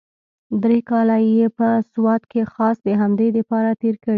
درې کاله يې په سوات کښې خاص د همدې دپاره تېر کړي.